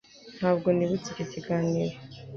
Ntabwo nibutse icyo kiganiro